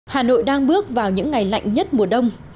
hà nội đang bước vào những ngày lạnh nhất mùa đông